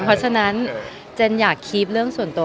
เพราะฉะนั้นเจนอยากคีบเรื่องส่วนตัว